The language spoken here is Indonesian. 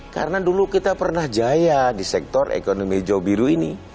karena dulu kita pernah jaya di sektor ekonomi hijau biru ini